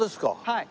はい。